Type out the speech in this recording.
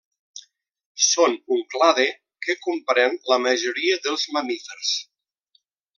Són un clade que comprèn la majoria dels mamífers.